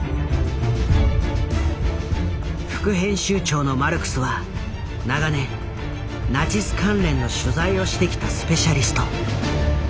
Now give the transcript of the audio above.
副編集長のマルクスは長年ナチス関連の取材をしてきたスペシャリスト。